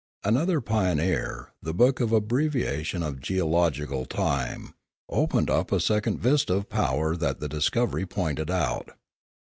Another pio neer, the book of abbreviation of geological time, opened up a second vista of power that the discovery pointed out.